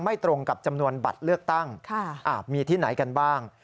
ตรงกับจำนวนบัตรเลือกตั้งมีที่ไหนกันบ้าง